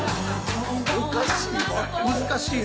おかしい。